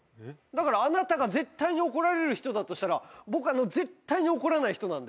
だからあなたが絶対に怒られる人だとしたら僕絶対に怒らない人なんで。